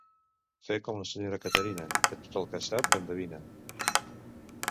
Fer com la senyora Caterina, que tot el que sap endevina.